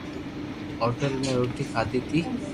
ھوٽل مي روِٽي کاڌي تي